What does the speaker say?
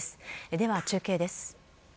では中継です。